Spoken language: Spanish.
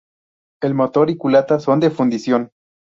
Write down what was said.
El motor y culata son de fundición.